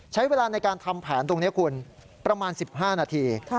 ใช้เวลาในการทำแผนตรงนี้คุณประมาณ๑๕นาที